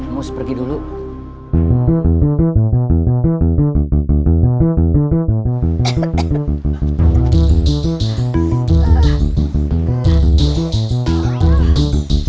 mereka sudah bekerja